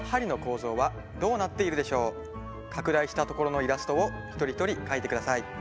拡大したところのイラストを一人一人描いてください。